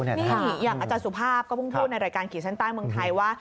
นี่ฮะเนี่ยอาจารย์สภาพก็พูดในรายการขี่สั้นตั้งเมืองไทยว่า